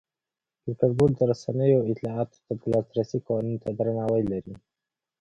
کرکټ بورډ د رسنیو او اطلاعاتو ته د لاسرسي قوانینو ته درناوی لري.